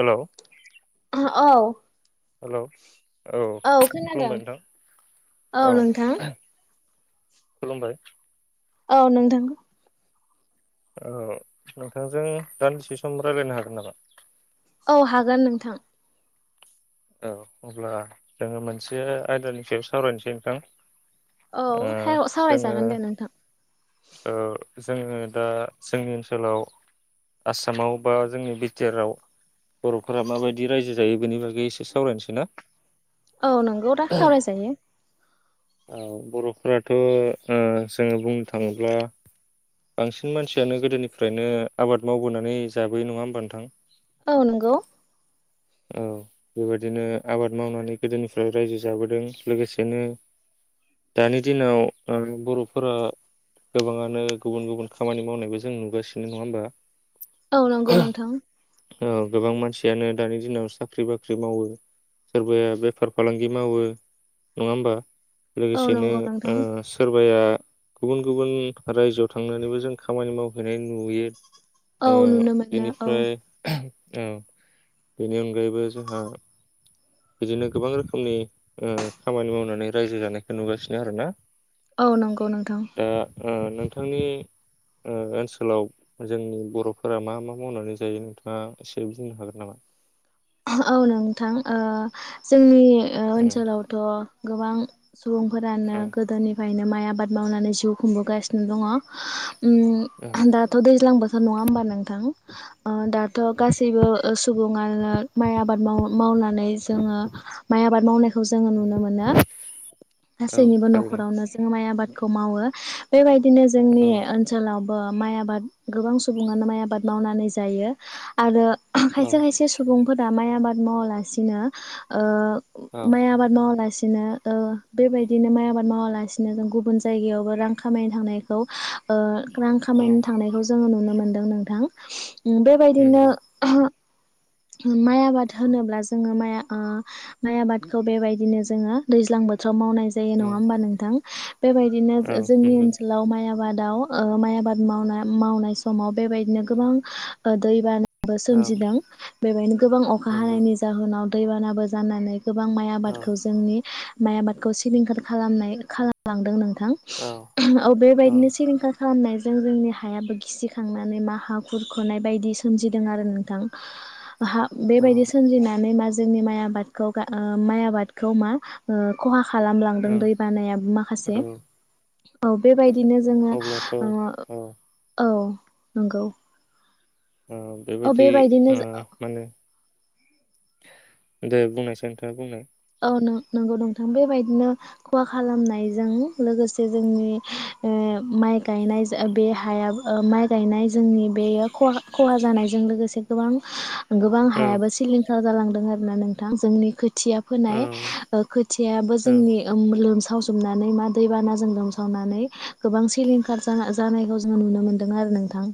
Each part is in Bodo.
हेल'। औ। हेल' औ औ खोनादों खुलुमबाय नोंथां औ। खुलुमबाय। औ नोंथां। औ नोंथांजों दान्दिसे सम रायलायनो हागोन नामा? औ हागोन नोंथां। औ अब्ला जोङो मोनसे आयदानि सायाव सावरायनोसै नोंथां। औ ओ हेअ' जोङो सावरायजागोन दे नोंथां। ओ जोङो दा जोंनि ओनसोलाव आसामाव बा जोंनि बिटिआरआव बर'फोरा माबायदि रायजो जायो बेनि बागै [unintelligible] एसे सावरायनोसै ना। औ नोंगौ दा सावरायजायो। औ [unintelligible] ओ जोङो बुंनो थाङोब्ला बांसिन मानसियानो गोदोनिफ्रायनो आबाद मावबोनानै जाबोयो नङा होमबा नोथां। औ नोंगौ। औ बेबायदिनो आबाद मावनानै गोदोनिफ्राय रायजो जाबोदों लोगोसेनो दानि दिनाव आरो बर'फोरा गोबाङानो गुबुन गुबुन खामानि मावनायबो जों नुगासिनो नङा होमबा। औ नंगौ नोंथां। औ [unintelligible] दानि दिनाव साख्रि- बाख्रि मावो सोरबाया बेफार- फालांगि मावो नङा होमबा। औ लोगोसेनो नंगौ नोंथां ओ सोरबाया गुबुन- गुबुन रायजोआव थांनानैबो जों खामानि मावहैनायनि नुयो ओ औ नुनो मोनो औ बेनिफ्राय औ। बेनि अनगायैबो जोंहा, बिदिनो गोबां रोखोमनि खामानि ओ मावनानै रायजो जानायखौ नुगासिनो आरोना। औ नंगौ नोंथां। दा ओ नोंथांनि ओ ओनसोलाव, जोंनि बर'फोरा मा मा मावनानै जायो नोंथाङा एसे बुंनो हागोन नामा? औ नोंथां ओ जोंनि औ उम ओनसोलावथ' गोबां सुबुंफोरानो औ गोदोनिफाय बिनो माइ आबाद मावनानै जिउ खुंबोगासिनो दङ। उ औ दाथ' दैज्लां बोथोर नङा होमबा नोंथां दाथ' गासैबो सुबुङानो माइ आबाद माव-मावनानै जोङो माइ आबाद मावनायखौ जोङो उम नुनो मोनो, औ गासैनिबो थारैनो न'खरावनो जोङो माइ आबादखौ मावो। बेबायदि दिनो जोंनि औ ओनसोलाव बो माइ आबाद गोबां सुबुङानो माइ आबाद मावनानै जायो आरो औ खायसे खायसे सुबुं फोरा माइ आबाद मावालासिनो ओ औ माइ आबाद मावालासि बिदिनो ओ बेबायदिनो माइ आबाद मावालासिनो जों गुबुन जायगायावबो रां खामायनो थांनायखौ ओ रां औ खामायनो थांनायखौ जोंङो नुनो मोनदों नोंथां। ओम बेबायदिनो नंगौ [unintelligible] माइ आबाद होनोब्ला जोंङो माइ ओ माइ आबादखौ बेबायदिनो जोंङो दैज्लां बोथोर आव मावनाय जायो औ नङा होमबा नोंथां? बेबायदिनो औ जो-जोंनि नंगौ ओनसोलाव माइ आबाद दाव ओ माइ आबाद मावना मावनाय समाव बेबायदिनो गोबां ओ दै बाना बो औ सोमजिदों। बेबायदिनो गोबां अखा नंगौ हानायनि जाहोन नाव दैबानाबो जानानै गोबां माइ औ आबादखौ जोंनि माइ आबादखौ सिलिंखार खालामनाय खालामलांदों नों थां औ औ बेबायदिनो सिलिंखार खालामनायजों जोंनि हायाबो गिसिखांनानै मा हा खुरखनाय बायदि सोमजिदों आरो नोंथां। हा औ बेबायदि सोमजिनानै मा जोंनि माइ आबादखौ गा ओ माइ आबादखौ मा ओ ख'हा खालामलांदों औ दै बानायाबो माखासे, औ औ बेबायदिनो जोंङो अब्लाथ' औ ओ औ। नंगौ। ओ औ बेबायदि ओ बेबायदिनो माने दे बुंनायसाय नोंथाङा बुंनाय। औ नं-नंगौ नोंथां बेबायदिनो ख'हा खालामनायजों लोगोसे जोंनि ओ माइ गायनाय जो ओ बे हाया माइ गायनाय जोंनि बेयो ख'हा ख'हा जानायजों लोगोसे गोबां गोबां औ हायाबो सिलिं खार जालांदों आरो ना नोंथां। जोंनि खोथिया औ फोनाय ओ खोथियायाबो औ जोंनि लोमसाव सावजोबनानै मा दैबानाजों लोमसावनानै गोबां सिलिंखार जा-जानायखौ जों नुनो मोनदों आरो नोंथां।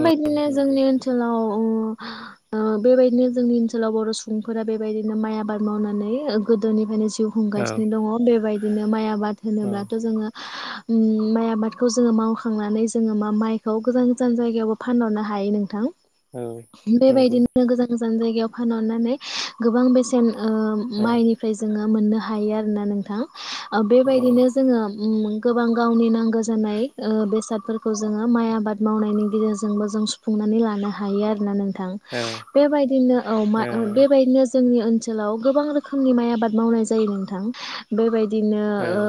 औ नंगौ जोंनि ओनसोलाव बेबायदिनो जोंनि ओनसोलाव बर' सुबुंफोरा बेबायदिनो माइ आबाद मावनानै गोदोनिफ्रायनो जिउ औ खुंगासिनो दंङ बेबायदि बिदिनो माइ आब आबाद औ होनोब्लाथ' जोङो माइ आबादखौ जोङो मावखांनानै जोङो मा माइखौ गोजान गोजान जायगायावबो फानहरनो हायो नोंथां औ नंगौ बेबायदिनो गोजान गोजान जान जायगायाव फानहरनानै गोबां बेसेन आ औ माइनिफ्राय जोङो मोननो हायो आरोना नोंथां अ ओ बेबायदिनो जोङो ओम गोबां गावनि नांगौ जानाय बेसादफोरखौ जोङो माइ आबाद मावनायनि गेजेरजोंबो जों सुफुंनानै लानो हायो आरोना नों थां बेबायदिनो औ मा औ बेबायदिनो जोंनि ओनसोलाव गोबां रोखोमनि माइ आबाद मावनाय जायो नोंथां बेबायदि दिनो ओ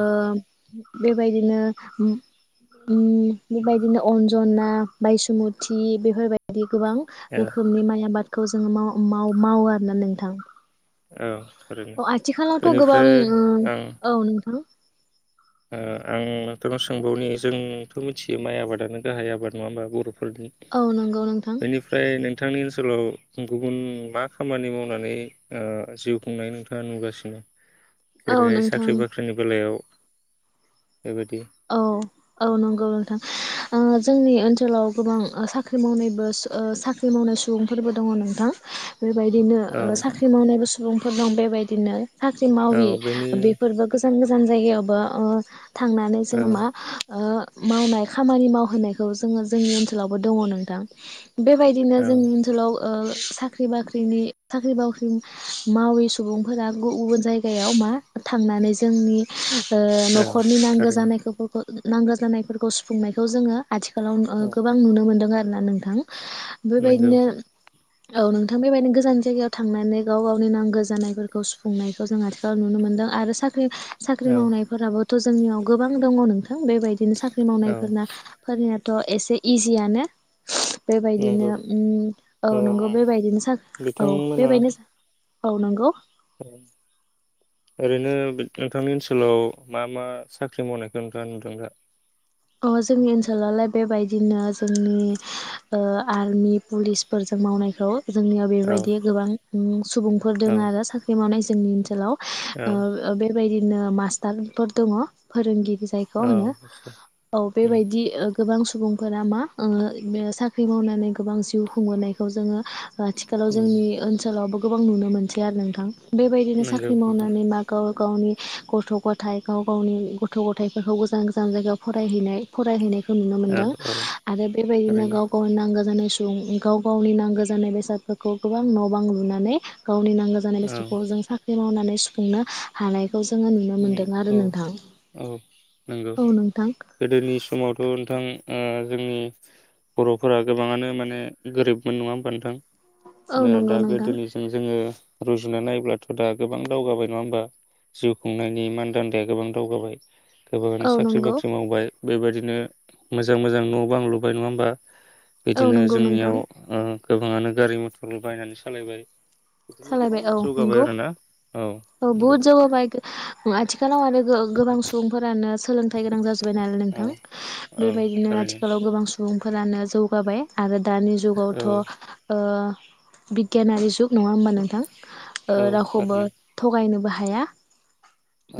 बेबायदिनोओम बेबायदिनो अन्जना बायसुमुत बेफोरबायदि गोबां औ रोखोमनि माइ आबाद खौ जोङो माव मावो आरोना नोंथां औ थारैनो अ आथिखालावथ' गोबां बेनिफ्राय औ नोंथां। आंथ' सोंबावनि जोंथ' मिथियो माइ आबादानो गाहाय आबाद नङा होमबा बर' औ नंगौ नोंथां बेनिफ्राय नोंथांनि ओनसोलाव गुबुन मा खामानि मावनानै अ जिउ खुंनाय नोंथाङा नुगासिनो। औ जेरैहाय नोंथां साख्रि बाख्रिनि बेलायाव बेबायदि औ औ नंगौ नोंथां ओ। जोंनि ओनसोलाव गोबां आ साख्रि मावनायबो साख्रि मावनाय सुबुंफोरबो दङ नोंथां बेबायदिनो औ आ साख्रि मावनायबो सु रुमफोर दं बेबायदिनो साख्रि औ मावि बेनि बेफोरबो गोस गोजान गोजान जायगायावबो आ थांनानै। औ जेनेबा अ मावनाय खामानि मावहोनायखौ जोङो जोंनि ओनसोलावबो दङ नोंथां। बेबायदिनो औ जोंनि ओनसोलाव। अ साख्रि बाख्रिनि साख्रि बाख्रि मावि सुबुंफोरा गुब गुबुन जायगायाव मा थांनानै जोंनि ओ औ न'खरनि नांगौ थारैनो जानायखो नांगौ जानायफोरखौ सुफुंनायखौ जोङो आथिखालाव औ गोबां ओ नुनो मोन्दों आरो ना नोंथां नंगौ बेबायदिनो औ नोंथां बेबायदिनो गोजान जायगायाव थांनानै गाव गावनि नांगौ जानायफोरखौ सुफुंनायखौ जों आथिखालाव नुनो मोनदों आरो सा साख्रि साख्रि औ मावनायफोराबो थ' जोंनियाव गोबां दङ नोंथां बेबायदि नो साख्रि औ मावनायफोरना फोरनिया थ' एसे इजियानो बेबायदिनो नंगौ उम औ ओ नंगौ बेबायदिनो सा औ बिथांमोना बेबायदिनो औ नंगौ ओरैनो नोंथांनि ओनसोलाव मा मा साख्रि मावनायखौ नोंथाङा नुदों दा? अ जोंनि ओनसोलाय बेबायदिनो जोंनि ओ आर्मि पुलिसफोरजों मावनायखौ जोंनियाव औ बेबायदि गोबां उम सुबुंफोर औ दङ आरो साख्रि मावनाय जोंनि ओनसोलाव औ ओ बे बायदिनो मास्टारफोर दङ फोरोंगिरि जायखौ औ होनो आचसा औ बेबायदि ओ गोबां सुबुंफोरा मा ओ साख्रि मावनानै गोबां जिउ खुंबोनायखौ जोङो आथिखालाव उम जोंनि ओनसोलावबो गोबां नुनो मोनसै आरो नोंथां बेबायदिनो नंगौ साख्रि नोंथां मावनानै मागाव गावनि गथ' गथाइ गाव गावनि गथ' गथाइफोरखौ गोजान गोजान जायगायाव फरायहैनाय फरायहैनाय खौ नुनो औ मोनदों औ आरो बेबायदिनो थारैनो गाव गावनो नांगौ जानाय सुबुं गाव गावनि नांगौ जानाय बेसादफोरखौ गोबां न' बां लुनानै गावनि नांगौ जानाय औ बेसादखौ जों सा बे मावनानै सुफुंनो हानाय खौ जोङो नुनो मोन्दों उम आरो औ नोंथां नंगौ औ नोंथां। गोदोनि समावथ' नोंथां ओ जोंनि बर'फोरा गोबाङानो माने गोरिबमोन नङा होमबा नोंथां। औ दा नंगौ नोंथां गोदोनिजों जोङो रुजुना नायोब्लाथ' दा गोबां दावगाबाय नङा होमबा जिउ खुंनायनि मानदान्दाया गोबां दावगाबाय। गोबाङानो औ साख्रि नंगौ बाख्रि मावबाय बेबायदिनो मोजां मोजां न'आवबो आं लुबाय नङा होमबा। औ बिदिनो नंगौ नोंथां जोंनियाव गोबाङानो गारि मथर बायनानै सालायबाय बिदिनो गोबां सालायबाय औ जौगाबाय नंगौ आरोना औ बहुद जौगाबाय आथि सिथिखानाव आरो गोबां सुबुंफोरानो सोलोंथाइ गोनां जाजोब्बाय नाल औ नोंथां औ बेबायदिनो थारैनो आथिखालाव गोबां सुबुंफोरानो जौगाबाय आरो। दानि औ जुगावथ' ओ बिगियनारि जुग नङाहोमबा नोंथां। औ रावखौबो थारैनो थगायनोबो हा हाया।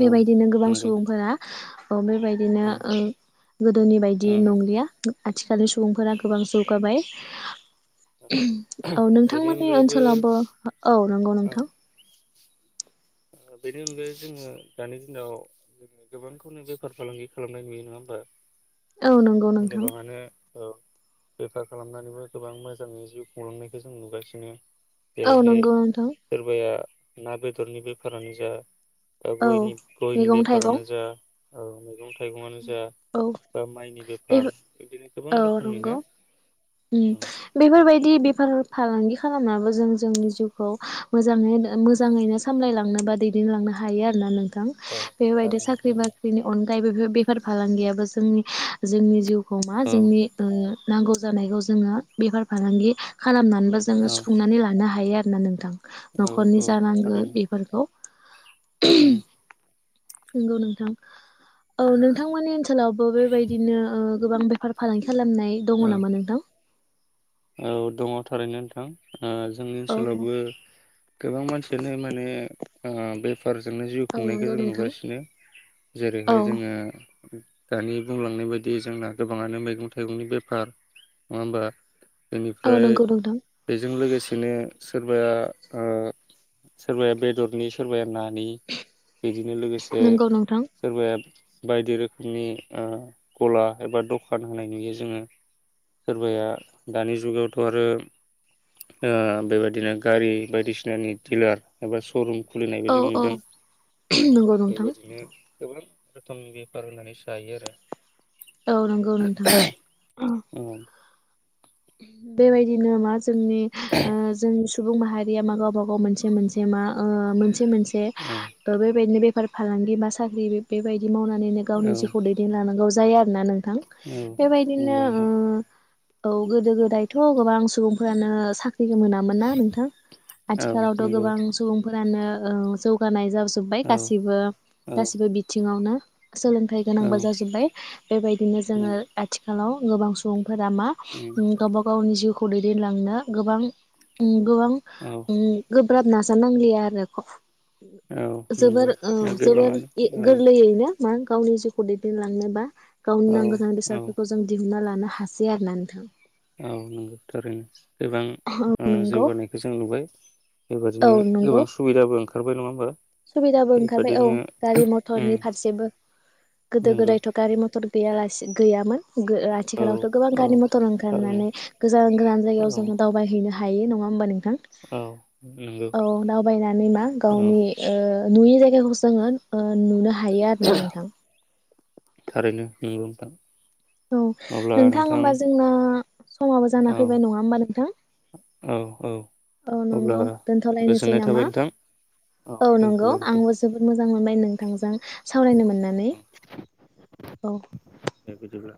औ गोबां नंगौ सुबुंफोरा औ बेबायदिनो उम ओ गोदोनि औ बायदि नंलिया आथि लि सुबुंफोरा गोबां जौगाबाय [inaudible] औ बेनि नोंथांमोननि अनगायैबो ओनसोलावबो औ नंगौ औ नोंथां। बेनि अनगायै जोङो दानि दिनाव गोबांखौनो बेफार फालांगि खालामनाय नुयो नङा होमबा। औ नंगौ नोंथां। गोबाङानो औ बेफार खालामनानैबो गोबां मोजाङै जिउ खुंलांनायखौ जों नुगासिनो। औ जेरैहाय नंगौ नोंथां सोरबाया ना बेदरनि बो फोरानो जा। दा औ गयनि गयनि मैगं थाइगं बेफारानो जा औ मैगं थाइगंआनो जा औ बा माइनि बे बेफार बिदिनो गोबां औ रोखोमनि ना नंगौ ओं बेफोरबायदि बेफार फालांगि खालामनायाबो जों जोंनि जिउखौ मो नाङैनो औ मोजाङैनो सामलायलां लांनोबा दैदेनलांनो हायो आरो ना नों थां औ बेबायदि थारैनो साख्रि नंगौ बाख्रिनि अनगायैबो बेफार याबो जोंनि जोंनि जिउ हमा औ जोंनि ओ नांगौ जानायखौ जोङो बेफार फालांगि खालामना जेनबा जोङो औ सुफुंनानै लानो हा हायो आरो ना नोंथां। औ न'खरनि औ जानांगो थारैनो बेफोरखौ उम। नंगौ नोंथां। थांमोनानि ओनसोलावबो बेबायदिनो ओ गोबां बेफार फालांगि खालामनाय दङ औ नामा नोंथां? औ दङ थारैनो नोंथां। ओ जोंनि औ ओनसोलावबो गोबां मानसियानो माने ओ बेफो फोरजोंनो जिउ औ खुंनायखो नंगौ जों नोंथां। नुगासिनो, औ जेरैहाय जोङो दानि बुंलांनाय बादि जोंना गोबाङानो मैगं थाइगंनि बेफार, नङा होमबा? औ बेनिफ्राय नंगौ नोंथां बेजों लोगोसेनो सोरबाया ओ सोरबाया बेदरनि, सोरबाया नानि। बिदिनो लोगोसे नंगौ नोंथां सोरबाया बायदि रोखोमनि ओ गला एबा द'खान होनाय नुयो जोङो सोरबाया दानि जुगावथ' आरो ओ बेबायदिनो गारि बायदिसिनानि दिलार एबा स' रुम खुलिनायबो औ जों औ नुदों ओ नंगौ नोंथां बेबायदिनो गोबां रोथोम बेफार होनानै जायो आरो। औ नंगौ नोंथां। औ बेबायदिनो मा जोंनि औ जों सुबुं माहारिया मा गावबा गाव मोनसे मोनसे मा ओ मोनसे से मोनसे बेबायदिनो बे फोर फालांगि बा साख्रि बे-बेबाय मावनानैनो औ गावनि जिउखौ दैदेनलांगौ जा जायो आरो ना नों थां औ बेबायदिनो नंगौ नोंथां ओ औ गोदो गोदायथ' गोबां सुबुंफोरानो सा‌ ख्रिखो मोनामोन ना नोंथां औ आथिखालावथ' नंगौ गोबां सुबुंफोरानो औ जौगानाय जा जोबबाय औ गासैबो औ गासैबो बिथिङावनो सोलोंथाइ औ गोनांबो जाजोबबाय बेबायदिनो जोंङो नंगौ आथिखालाव गोबां सुबुं फोरा मा उम गावबा गावनि जिउ खौ दैदेनलांनो गोबां उम गोबां औ उम गो ब्राब नाजानांलियाआरो ख औ जोबोर नंगौ औ जोबोर गोबाङानो इ औ गोरलैयैनो मा गावनि जिउखौ दैदेनलांनोबा गावनि औ नांगो जानाय औ बेसादफोरखौ जों दिहुनना ला नो हासै आरोना नोंथां औ नोंगो थारैनो गोबां ओ नंगौ जौगानायखौ जों नुबाय औ बेबादिनो नंगौ गोबां सुबिदाबो ओं खारबाय नङा होमबा सुबिदाबो ओंखारबाय औ बेबादिनो गारि उम मथरनि फारसेबो गोदो नंगौ गोदायथ' गारि मथर गैयालासे गैयामोन गो औ आथिखालावथ' गोबां औ गारि मथर थारैनो ओंखारनानै गोजान गोजान जायगायाव औ जों दावबायहैनो हायो नङा होमबा नों थां औ नंगौ औ दावबायनानै मा औ गावनि ओ नुयि जायगाखौबो जोंङो ओ नुनो हायो आरोना नोंथां। थारैनो नोंगौ नोंथां औ नोंथां होमबा जोंना समाबो जाना औ फैबाय नङा होमबा नोंथां औ औ औ अब्ला नोंगौ दोनथ'लायनोसै गोजोननाय नामा थाबाय नोंथां औ नोंगौ आंबो जोबोद मोजां मोनबाय नोंथांजों सावरायनो मोननानै औ औ दे बिदिब्ला